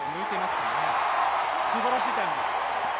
すばらしいタイムです。